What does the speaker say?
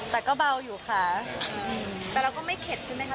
แต่ก็เบาอยู่ค่ะแต่เราก็ไม่เข็ดใช่ไหมคะ